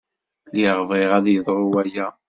Lliɣ bɣiɣ ad yeḍru waya.